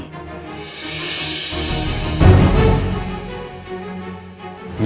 ada apa ini